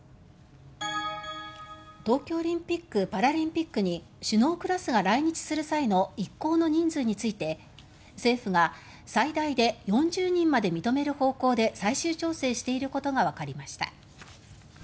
東京オリンピック・パラリンピックに首脳クラスが来日する際の一行の人数について政府が最大で４０人まで認める方向で最終調整していることがわかりました。